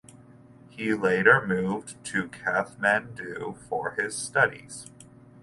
He later moved to Kathmandu for his studies.